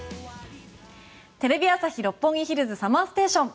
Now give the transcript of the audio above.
「テレビ朝日・六本木ヒルズＳＵＭＭＥＲＳＴＡＴＩＯＮ」。